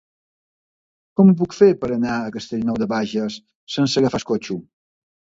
Com ho puc fer per anar a Castellnou de Bages sense agafar el cotxe?